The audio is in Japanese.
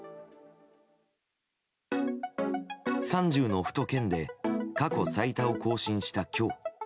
３０の府と県で過去最多を更新した今日。